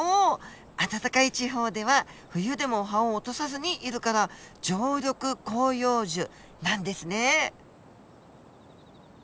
暖かい地方では冬でも葉を落とさずにいるから常緑広葉樹なんですね。